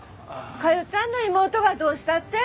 加代ちゃんの妹がどうしたって？